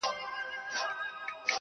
کال ته به مرمه.